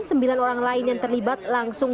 sembilan orang lain yang terlibat langsung